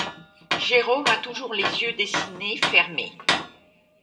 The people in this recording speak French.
Jérôme a toujours les yeux dessinés fermés.